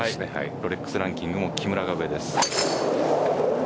ロレックスランキングも木村が上です。